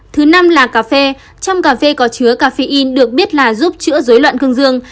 thứ năm là cà phê trong cà phê có chứa caffeine được biết là giúp chữa dối loạn cưng dương